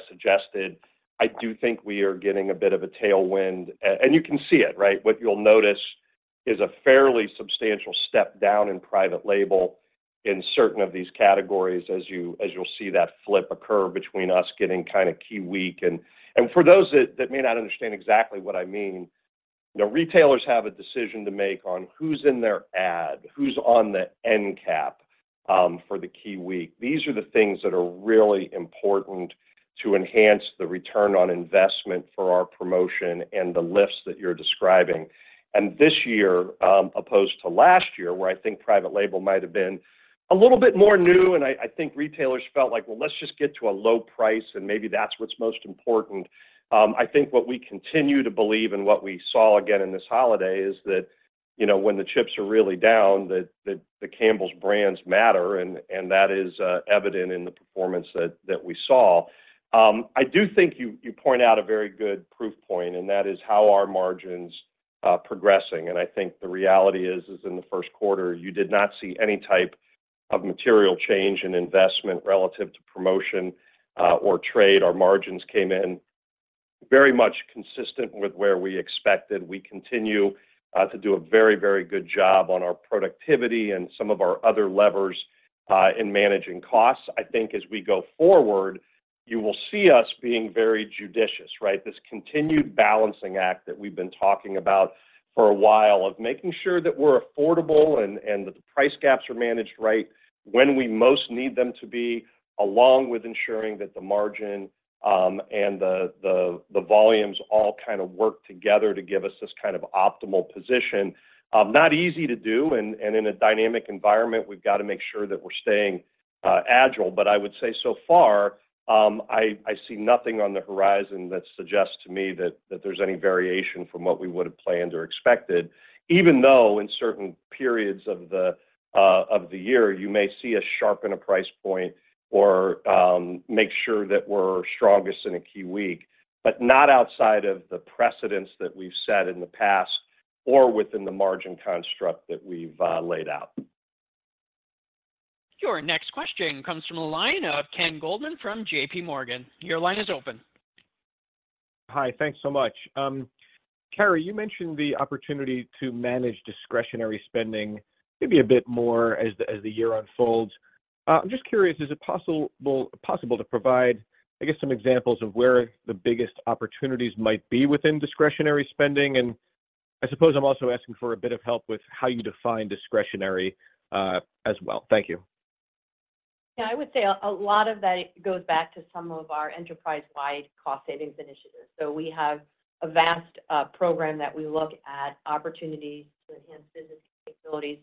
suggested, I do think we are getting a bit of a tailwind, and you can see it, right? What you'll notice is a fairly substantial step down in private label in certain of these categories, as you'll see that flip occur between us getting kind of key week. And for those that may not understand exactly what I mean, you know, retailers have a decision to make on who's in their ad, who's on the end cap, for the key week. These are the things that are really important to enhance the return on investment for our promotion and the lifts that you're describing. And this year, opposed to last year, where I think private label might have been a little bit more new, and I think retailers felt like, "Well, let's just get to a low price, and maybe that's what's most important." I think what we continue to believe and what we saw again in this holiday is that, you know, when the chips are really down, that the Campbell's brands matter, and that is evident in the performance that we saw. I do think you point out a very good proof point, and that is how are margins progressing? And I think the reality is in the first quarter, you did not see any type of material change in investment relative to promotion or trade. Our margins came in very much consistent with where we expected. We continue to do a very, very good job on our productivity and some of our other levers in managing costs. I think as we go forward, you will see us being very judicious, right? This continued balancing act that we've been talking about for a while of making sure that we're affordable and that the price gaps are managed right when we most need them to be, along with ensuring that the margin and the volumes all kind of work together to give us this kind of optimal position. Not easy to do, and in a dynamic environment, we've got to make sure that we're staying agile. But I would say so far, I see nothing on the horizon that suggests to me that there's any variation from what we would have planned or expected, even though in certain periods of the year, you may see us sharpen at a price point or make sure that we're strongest in a key week, but not outside of the precedents that we've set in the past or within the margin construct that we've laid out.... Your next question comes from the line of Ken Goldman from JPMorgan. Your line is open. Hi, thanks so much. Carrie, you mentioned the opportunity to manage discretionary spending maybe a bit more as the year unfolds. I'm just curious, is it possible to provide, I guess, some examples of where the biggest opportunities might be within discretionary spending? And I suppose I'm also asking for a bit of help with how you define discretionary as well. Thank you. Yeah, I would say a lot of that goes back to some of our enterprise-wide cost savings initiatives. So we have a vast program that we look at opportunities to enhance business capabilities,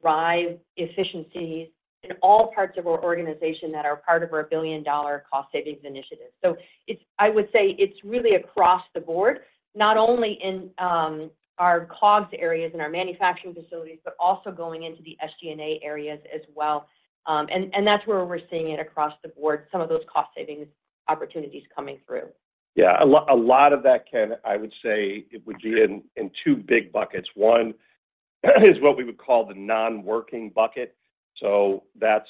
drive efficiencies in all parts of our organization that are part of our billion-dollar cost savings initiative. So it's, I would say it's really across the board, not only in our COGS areas and our manufacturing facilities, but also going into the SG&A areas as well. And that's where we're seeing it across the board, some of those cost savings opportunities coming through. Yeah, a lot of that, Ken, I would say it would be in two big buckets. One is what we would call the non-working bucket. So that's,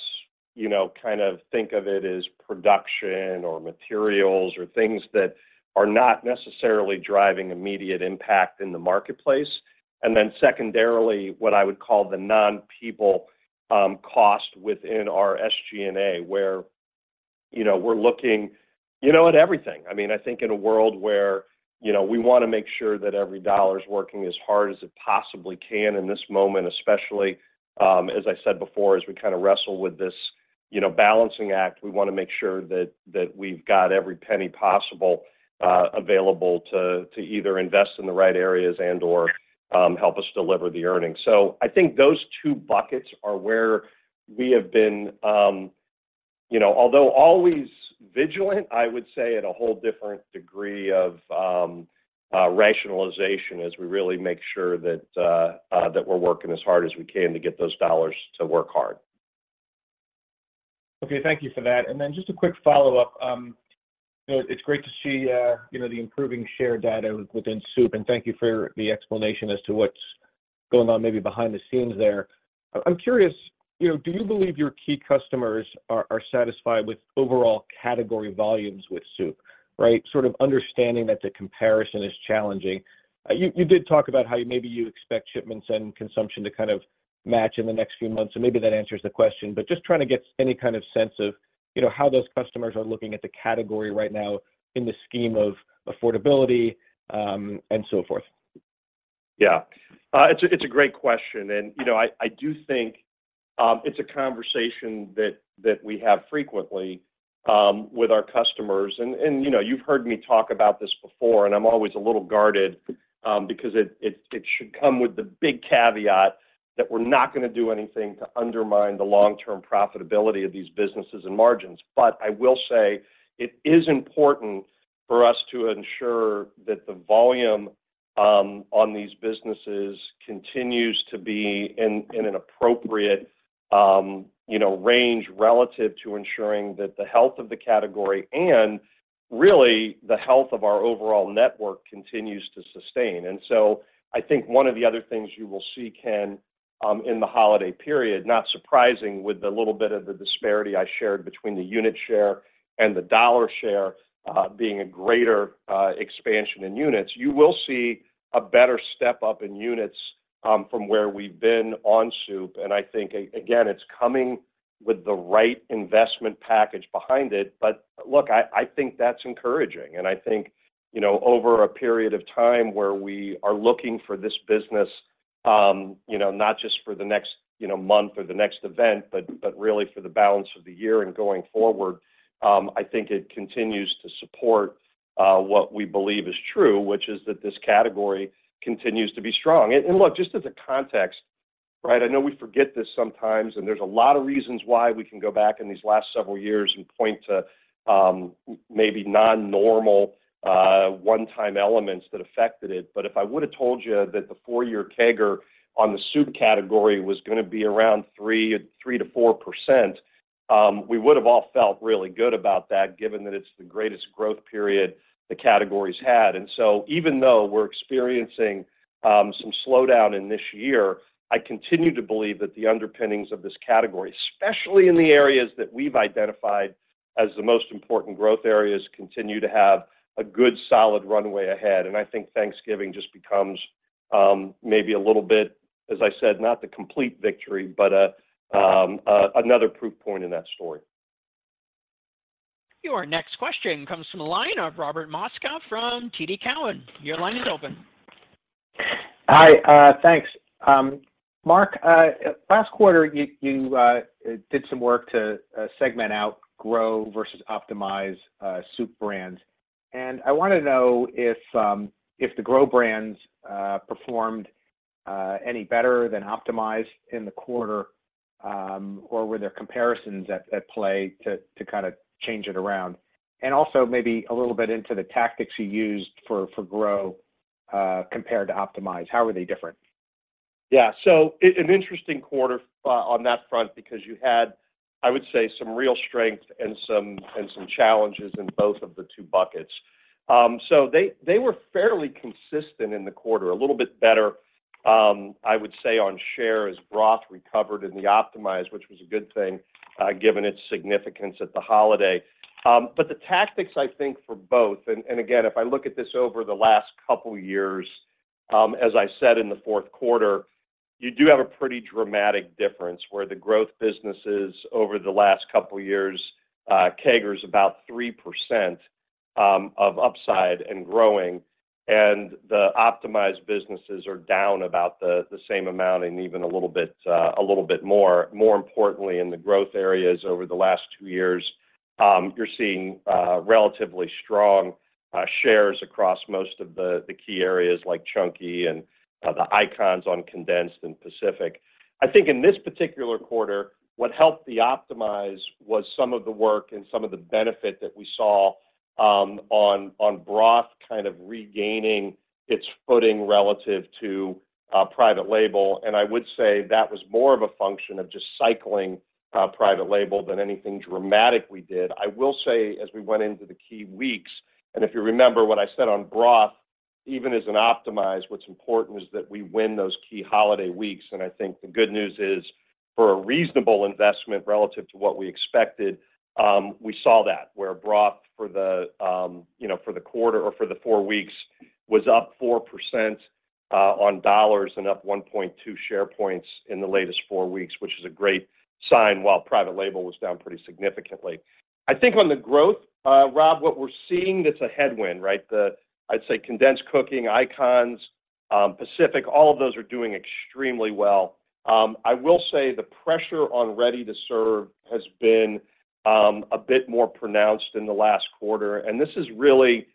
you know, kind of think of it as production or materials or things that are not necessarily driving immediate impact in the marketplace. And then secondarily, what I would call the non-people cost within our SG&A, where, you know, we're looking, you know, at everything. I mean, I think in a world where, you know, we wanna make sure that every dollar is working as hard as it possibly can in this moment, especially, as I said before, as we kind of wrestle with this, you know, balancing act, we wanna make sure that we've got every penny possible available to either invest in the right areas and/or help us deliver the earnings. So I think those two buckets are where we have been, you know, although always vigilant, I would say at a whole different degree of rationalization as we really make sure that we're working as hard as we can to get those dollars to work hard. Okay. Thank you for that. And then just a quick follow-up. You know, it's great to see, you know, the improving share data within soup, and thank you for the explanation as to what's going on maybe behind the scenes there. I'm curious, you know, do you believe your key customers are satisfied with overall category volumes with soup, right? Sort of understanding that the comparison is challenging. You did talk about how maybe you expect shipments and consumption to kind of match in the next few months, so maybe that answers the question. But just trying to get any kind of sense of, you know, how those customers are looking at the category right now in the scheme of affordability, and so forth. Yeah. It's a great question, and you know, I do think it's a conversation that we have frequently with our customers. And you know, you've heard me talk about this before, and I'm always a little guarded because it should come with the big caveat that we're not gonna do anything to undermine the long-term profitability of these businesses and margins. But I will say it is important for us to ensure that the volume on these businesses continues to be in an appropriate you know, range relative to ensuring that the health of the category and really the health of our overall network continues to sustain. And so I think one of the other things you will see, Ken, in the holiday period, not surprising with the little bit of the disparity I shared between the unit share and the dollar share, being a greater expansion in units, you will see a better step up in units, from where we've been on soup. And I think again, it's coming with the right investment package behind it. But look, I think that's encouraging, and I think, you know, over a period of time where we are looking for this business, you know, not just for the next, you know, month or the next event, but really for the balance of the year and going forward, I think it continues to support what we believe is true, which is that this category continues to be strong. Look, just as a context, right? I know we forget this sometimes, and there's a lot of reasons why we can go back in these last several years and point to maybe non-normal one-time elements that affected it. But if I would have told you that the four-year CAGR on the soup category was gonna be around 3.3%-4%, we would have all felt really good about that, given that it's the greatest growth period the category's had. And so even though we're experiencing some slowdown in this year, I continue to believe that the underpinnings of this category, especially in the areas that we've identified as the most important growth areas, continue to have a good, solid runway ahead. I think Thanksgiving just becomes, maybe a little bit, as I said, not the complete victory, but another proof point in that story. Your next question comes from the line of Robert Moskow from TD Cowen. Your line is open. Hi. Thanks. Mark, last quarter, you did some work to segment out grow versus optimize soup brands. I wanna know if the grow brands performed any better than optimize in the quarter, or were there comparisons at play to kind of change it around? Also maybe a little bit into the tactics you used for grow compared to optimize. How were they different? Yeah. So an interesting quarter on that front, because you had, I would say, some real strength and some challenges in both of the two buckets. So they were fairly consistent in the quarter. A little bit better, I would say, on share as broth recovered in the optimized, which was a good thing, given its significance at the holiday. But the tactics, I think, for both, and again, if I look at this over the last couple years, as I said, in the fourth quarter, you do have a pretty dramatic difference where the growth businesses over the last couple of years, CAGR is about 3% of upside and growing, and the optimized businesses are down about the same amount and even a little bit more. More importantly, in the growth areas over the last two years, you're seeing relatively strong shares across most of the key areas like Chunky and the icons on condensed and Pacific. I think in this particular quarter, what helped the optimize was some of the work and some of the benefit that we saw on broth kind of regaining its footing relative to private label. And I would say that was more of a function of just cycling private label than anything dramatic we did. I will say, as we went into the key weeks, and if you remember what I said on broth, even as an optimize, what's important is that we win those key holiday weeks, and I think the good news is, for a reasonable investment relative to what we expected, we saw that, where broth for the, you know, for the quarter or for the four weeks was up 4% on dollars and up 1.2 share points in the latest four weeks, which is a great sign, while private label was down pretty significantly. I think on the growth, Rob, what we're seeing, that's a headwind, right? I'd say condensed cooking icons, Pacific, all of those are doing extremely well. I will say the pressure on ready to serve has been a bit more pronounced in the last quarter, and this is really,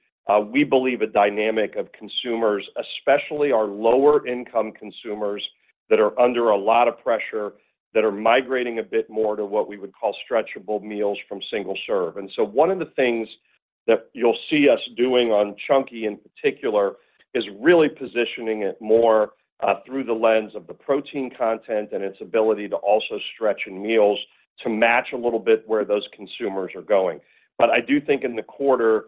we believe, a dynamic of consumers, especially our lower income consumers, that are under a lot of pressure, that are migrating a bit more to what we would call stretchable meals from single serve. And so one of the things that you'll see us doing on Chunky in particular is really positioning it more through the lens of the protein content and its ability to also stretch in meals to match a little bit where those consumers are going. But I do think in the quarter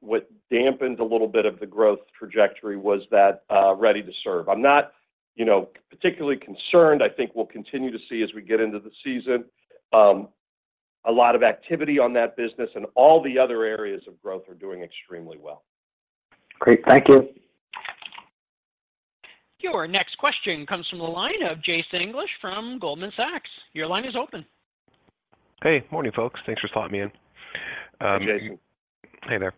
what dampened a little bit of the growth trajectory was that ready to serve. I'm not, you know, particularly concerned. I think we'll continue to see as we get into the season, a lot of activity on that business and all the other areas of growth are doing extremely well. Great. Thank you. Your next question comes from the line of Jason English from Goldman Sachs. Your line is open. Hey, morning, folks. Thanks for taking me in. Hey, Jay. Hey there.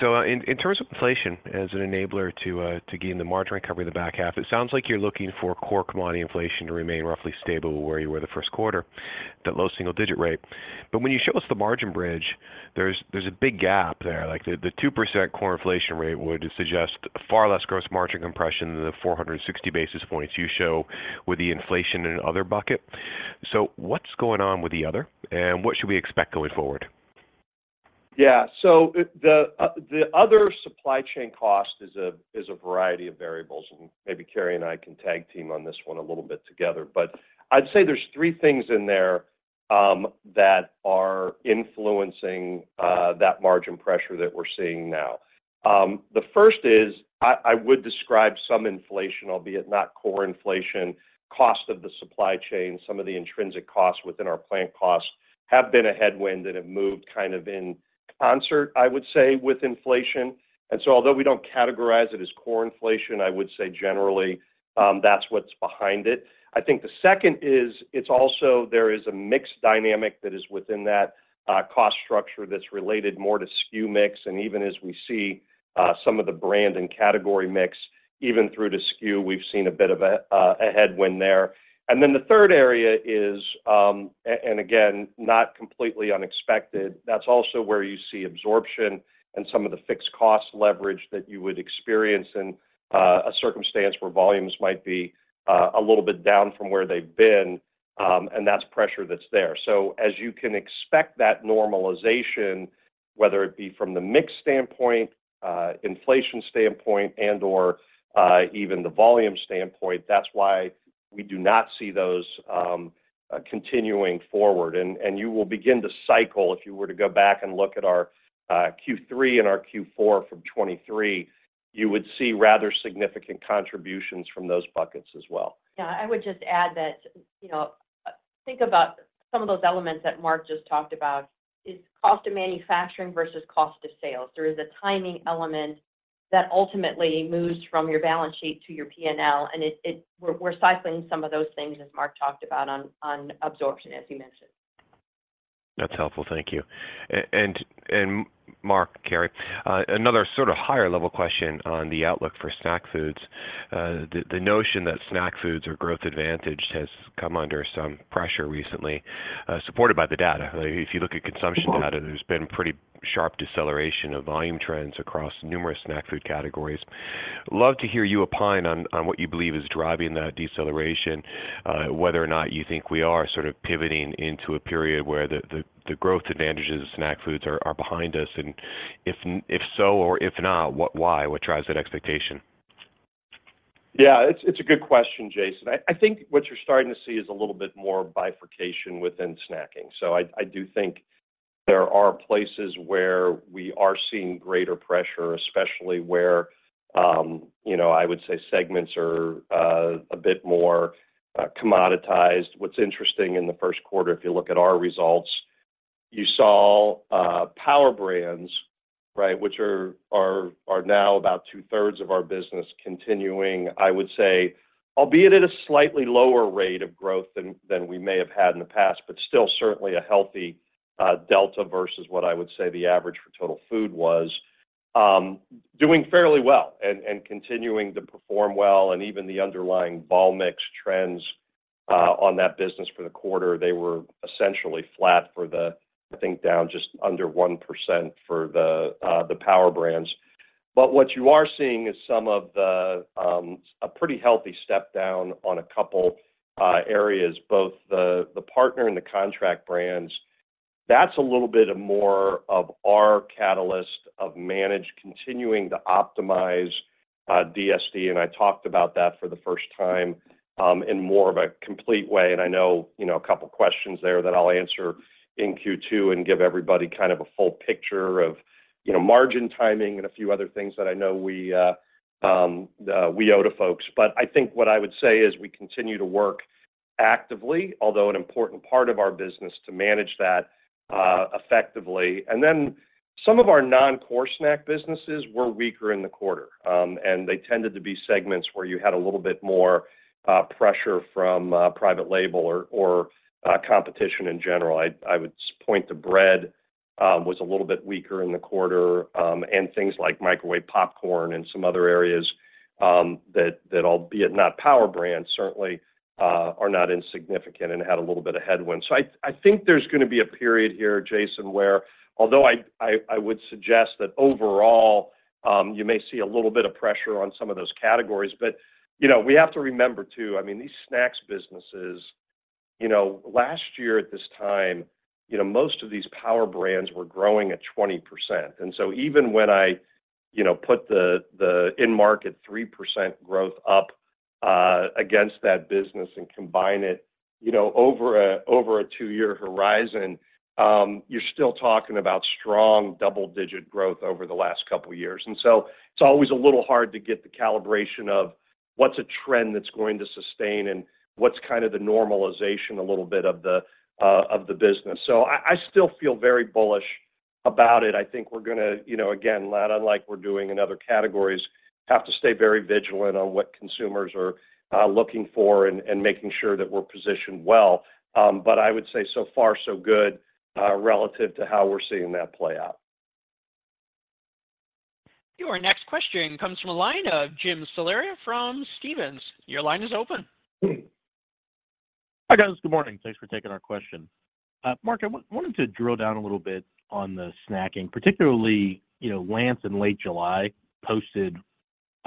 So in terms of inflation as an enabler to gain the margin recovery in the back half, it sounds like you're looking for core commodity inflation to remain roughly stable where you were the first quarter, the low single-digit rate. But when you show us the margin bridge, there's a big gap there. Like, the 2% core inflation rate would suggest far less gross margin compression than the 460 basis points you show with the inflation in other bucket. So what's going on with the other, and what should we expect going forward? Yeah. So the other supply chain cost is a variety of variables, and maybe Carrie and I can tag team on this one a little bit together. But I'd say there's three things in there that are influencing that margin pressure that we're seeing now. The first is I would describe some inflation, albeit not core inflation, cost of the supply chain. Some of the intrinsic costs within our plant costs have been a headwind and have moved kind of in concert, I would say, with inflation. And so although we don't categorize it as core inflation, I would say generally that's what's behind it. I think the second is, it's also there is a mixed dynamic that is within that, cost structure that's related more to SKU mix, and even as we see, some of the brand and category mix, even through the SKU, we've seen a bit of a, a headwind there. And then the third area is, and, and again, not completely unexpected, that's also where you see absorption and some of the fixed cost leverage that you would experience in, a circumstance where volumes might be, a little bit down from where they've been, and that's pressure that's there. So as you can expect that normalization, whether it be from the mix standpoint, inflation standpoint, and/or, even the volume standpoint, that's why we do not see those, continuing forward. And you will begin to cycle, if you were to go back and look at our Q3 and our Q4 from 2023, you would see rather significant contributions from those buckets as well. Yeah, I would just add that, you know, think about some of those elements that Mark just talked about is cost of manufacturing versus cost of sales. There is a timing element that ultimately moves from your balance sheet to your P&L, and it-- we're cycling some of those things, as Mark talked about on absorption, as he mentioned. That's helpful. Thank you. And Mark, Carrie, another sort of higher level question on the outlook for snack foods. The notion that snack foods' growth advantage has come under some pressure recently, supported by the data. If you look at consumption data, there's been pretty sharp deceleration of volume trends across numerous snack food categories. Love to hear you opine on what you believe is driving that deceleration, whether or not you think we are sort of pivoting into a period where the growth advantages of snack foods are behind us, and if so or if not, why? What drives that expectation?... Yeah, it's a good question, Jason. I think what you're starting to see is a little bit more bifurcation within snacking. So I do think there are places where we are seeing greater pressure, especially where, you know, I would say segments are a bit more commoditized. What's interesting in the first quarter, if you look at our results, you saw Power Brands, right? Which are now about 2/3 of our business continuing, I would say, albeit at a slightly lower rate of growth than we may have had in the past, but still certainly a healthy delta versus what I would say the average for total food was. Doing fairly well and continuing to perform well, and even the underlying vol/mix trends on that business for the quarter, they were essentially flat, I think down just under 1% for the Power Brands. But what you are seeing is some of the... a pretty healthy step down on a couple areas, both the partner and the contract brands. That's a little bit more of our catalyst of managed continuing to optimize DSD, and I talked about that for the first time in more of a complete way. And I know, you know, a couple questions there that I'll answer in Q2 and give everybody kind of a full picture of, you know, margin timing and a few other things that I know we owe to folks. But I think what I would say is we continue to work actively, although an important part of our business, to manage that effectively. And then some of our non-core snack businesses were weaker in the quarter. They tended to be segments where you had a little bit more pressure from private label or competition in general. I would point to bread was a little bit weaker in the quarter, and things like microwave popcorn and some other areas that albeit not Power Brands, certainly are not insignificant and had a little bit of headwind. So I think there's gonna be a period here, Jason, where although I would suggest that overall you may see a little bit of pressure on some of those categories. But, you know, we have to remember too, I mean, these Snacks businesses, you know, last year at this time, you know, most of these Power Brands were growing at 20%. And so even when I, you know, put the end market 3% growth up, against that business and combine it, you know, over a two-year horizon, you're still talking about strong double-digit growth over the last couple of years. And so it's always a little hard to get the calibration of what's a trend that's going to sustain and what's kind of the normalization, a little bit of the, of the business. So I, I still feel very bullish about it. I think we're gonna, you know, again, not unlike we're doing in other categories, have to stay very vigilant on what consumers are looking for and making sure that we're positioned well. But I would say so far so good, relative to how we're seeing that play out. Your next question comes from the line of Jim Salera from Stephens. Your line is open. Hi, guys. Good morning. Thanks for taking our question. Mark, I wanted to drill down a little bit on the snacking, particularly, you know, Lance and Late July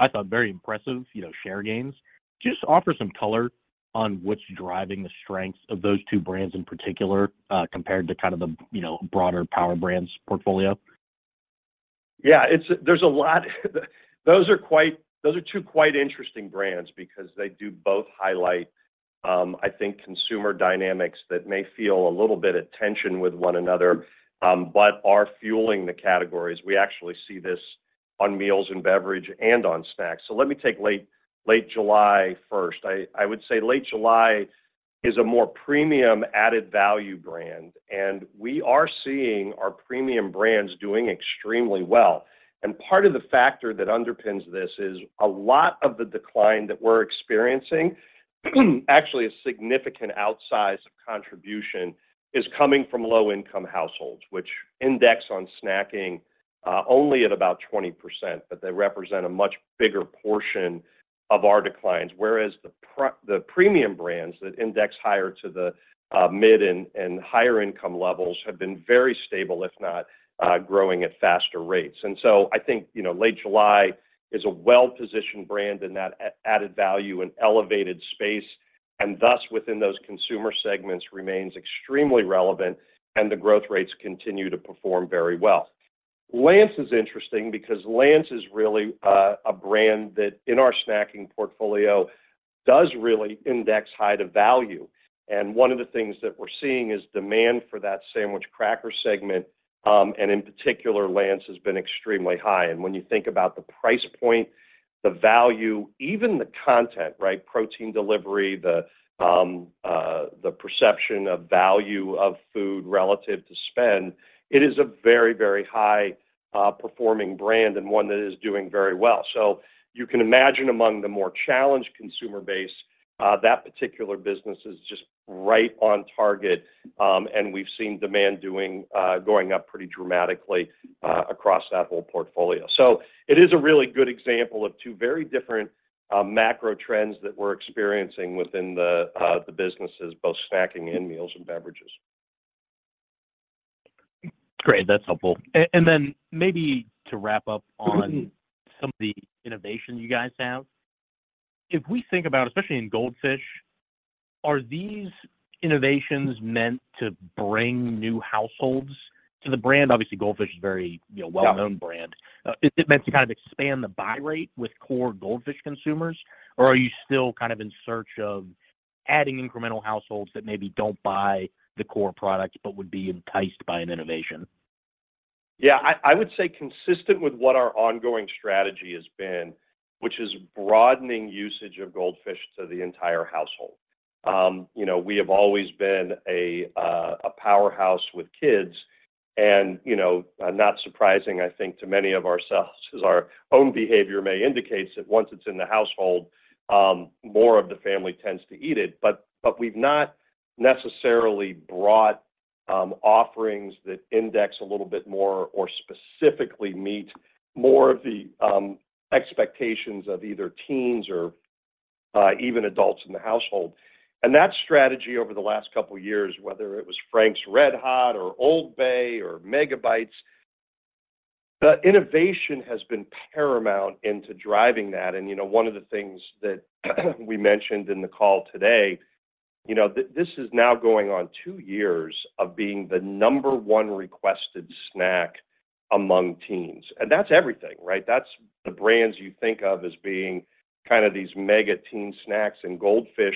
posted, I thought, very impressive, you know, share gains. Just offer some color on what's driving the strengths of those two brands in particular, compared to kind of the, you know, broader Power Brands portfolio. Yeah, it's, there's a lot, those are quite, those are two quite interesting brands because they do both highlight, I think consumer dynamics that may feel a little bit at tension with one another, but are fueling the categories. We actually see this on meals and beverage and on snacks. So let me take Late July first. I would say Late July is a more premium added value brand, and we are seeing our premium brands doing extremely well. And part of the factor that underpins this is a lot of the decline that we're experiencing, actually a significant outsize of contribution, is coming from low-income households, which index on snacking, only at about 20%, but they represent a much bigger portion of our declines. Whereas the pr... The premium brands that index higher to the mid and higher income levels have been very stable, if not growing at faster rates. And so I think, you know, Late July is a well-positioned brand in that added value and elevated space, and thus, within those consumer segments, remains extremely relevant, and the growth rates continue to perform very well. Lance is interesting because Lance is really a brand that, in our snacking portfolio, does really index high to value. And one of the things that we're seeing is demand for that sandwich cracker segment, and in particular, Lance, has been extremely high. When you think about the price point, the value, even the content, right, protein delivery, the perception of value of food relative to spend, it is a very, very high performing brand and one that is doing very well. So you can imagine among the more challenged consumer base, that particular business is just right on target, and we've seen demand doing going up pretty dramatically across that whole portfolio. So it is a really good example of two very different macro trends that we're experiencing within the businesses, both snacking and meals and beverages. Great. That's helpful. And then maybe to wrap up on some of the innovation you guys have. If we think about, especially in Goldfish, are these innovations meant to bring new households to the brand? Obviously, Goldfish is a very, you know, well-known brand. Is it meant to kind of expand the buy rate with core Goldfish consumers, or are you still kind of in search of adding incremental households that maybe don't buy the core product, but would be enticed by an innovation? Yeah, I would say consistent with what our ongoing strategy has been, which is broadening usage of Goldfish to the entire household. You know, we have always been a a powerhouse with kids and, you know, not surprising, I think, to many of ourselves, as our own behavior may indicate, that once it's in the household, more of the family tends to eat it. But we've not necessarily brought offerings that index a little bit more or specifically meet more of the expectations of either teens or even adults in the household. And that strategy over the last couple of years, whether it was Frank's RedHot or Old Bay or Mega Bites, the innovation has been paramount into driving that. You know, one of the things that we mentioned in the call today, you know, this is now going on two years of being the number one requested snack among teens, and that's everything, right? That's the brands you think of as being kind of these mega teen snacks, and Goldfish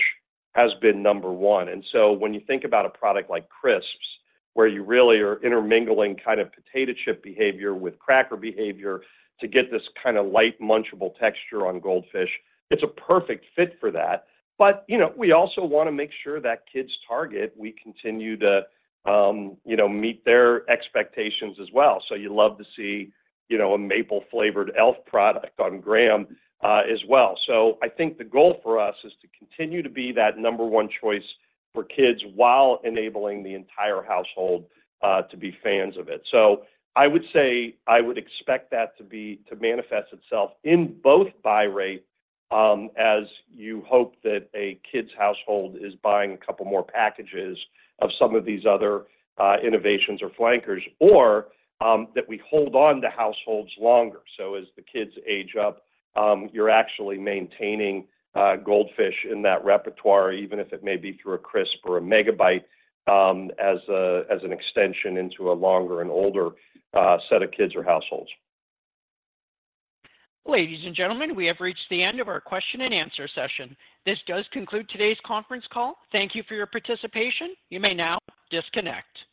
has been number one. And so when you think about a product like Crisps, where you really are intermingling kind of potato chip behavior with cracker behavior to get this kind of light, munchable texture on Goldfish, it's a perfect fit for that. But, you know, we also want to make sure that kids target, we continue to, you know, meet their expectations as well. So you love to see, you know, a maple-flavored Elf product on graham, as well. So I think the goal for us is to continue to be that number one choice for kids while enabling the entire household to be fans of it. So I would say I would expect that to manifest itself in both buy rate, as you hope that a kids household is buying a couple more packages of some of these other innovations or flankers, or, that we hold on to households longer. So as the kids age up, you're actually maintaining Goldfish in that repertoire, even if it may be through a Crisp or a Mega Bite, as a, as an extension into a longer and older set of kids or households. Ladies and gentlemen, we have reached the end of our question and answer session. This does conclude today's conference call. Thank you for your participation. You may now disconnect.